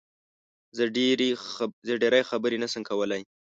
زه ډېری خبرې نه شم کولی